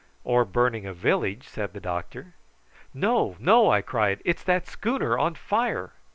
"Or burning a village," said the doctor. "No, no," I cried; "it's that schooner on fire!"